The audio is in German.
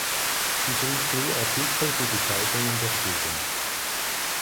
Sie schrieb früh Artikel für die Zeitungen der Gegend.